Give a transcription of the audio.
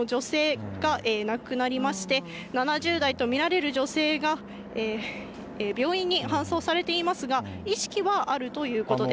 消防などによりますと、はねられた２人のうち、６０代の女性が亡くなりまして、７０代と見られる女性が病院に搬送されていますが、意識はあるということです。